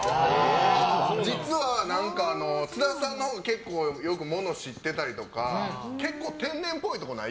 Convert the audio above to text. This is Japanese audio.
実は、津田さんのほうが結構よくもの知ってたりとか結構、天然っぽいところない？